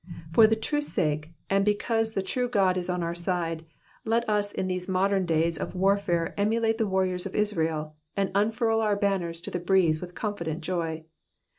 For the truth's sake, and because the true God is on our side, let us in these modem days of warfare emulate the warriors of Israel, and unfurl our banners to the breeze with confident joy.